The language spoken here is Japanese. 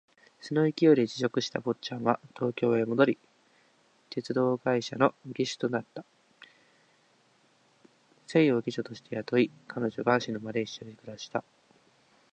その勢いで辞職した坊っちゃんは東京へ戻り、鉄道会社の技手となった。清を下女として雇い、彼女が死ぬまで一緒に暮らした。